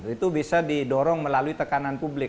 itu bisa didorong melalui tekanan publik